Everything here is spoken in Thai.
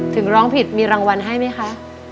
ถึงร้องผิดมีรางวัลให้ไหมคะ